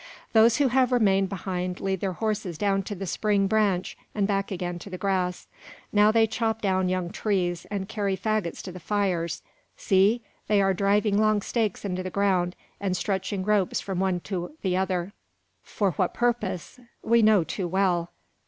Those who have remained behind lead their horses down to the spring branch, and back again to the grass. Now they chop down young trees, and carry faggots to the fires. See! they are driving long stakes into the ground, and stretching ropes from one to the other. For what purpose? We know too well.